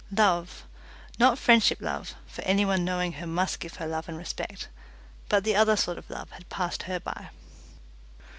Love, not friendship love, for anyone knowing her must give her love and respect, but the other sort of love had passed her by.